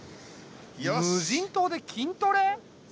無人島で筋トレ？